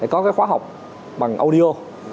có cái khóa học bằng audio